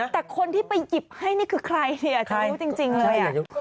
แต่คนที่ไปหยิบให้นี่คือใครอยากจะรู้จริงเลย